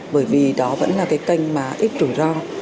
bởi vì đó vẫn là cái kênh mà ít rủi ro